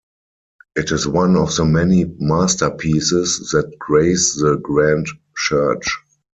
It is one of the many masterpieces that grace the grand church.